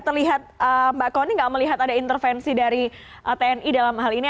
terlihat mbak kony nggak melihat ada intervensi dari tni dalam hal ini